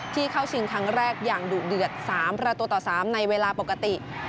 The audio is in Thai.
ที่เข้าชิงครั้งแรกอย่างดุเดือดสามราตัวต่อสามในเวลาปกติ